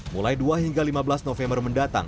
mulai dua hingga lima belas november mendatang